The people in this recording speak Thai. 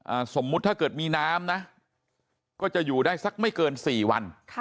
สมมุติถ้าเกิดมีน้ำนะก็จะอยู่ได้สักไม่เกินสี่วันค่ะ